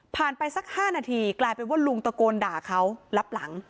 ไปสัก๕นาทีกลายเป็นว่าลุงตะโกนด่าเขารับหลัง